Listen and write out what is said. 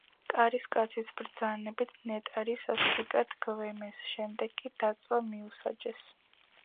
კარისკაცის ბრძანებით ნეტარი სასტიკად გვემეს, შემდეგ კი დაწვა მიუსაჯეს.